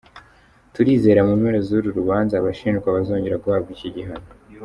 Turizera mu mpera z’uru rubanza abashinjwa bazongera guhabwa iki gihano.